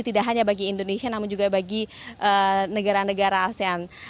tidak hanya bagi indonesia namun juga bagi negara negara asean